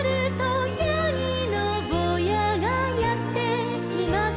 「やぎのぼうやがやってきます」